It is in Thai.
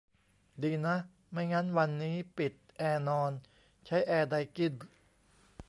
ดีนะ ไม่งั้นวันนี้ปิดแอร์นอน ใช้แอร์ไดกิ้น